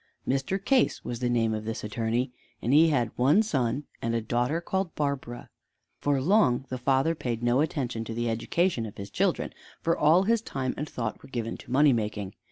Mr. Case was the name of this attorney, and he had one son and a daughter called Barbara. For long the father paid no attention to the education of his children, for all his time and thought were given to money making.